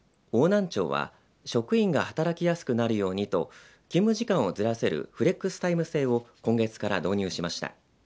邑南町は職員が働きやすくなるようにと勤務時間をずらせるフレックスタイム制を今月から導入しました。